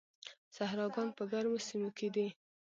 صحراګان په ګرمو سیمو کې دي.